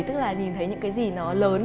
tức là nhìn thấy những cái gì nó lớn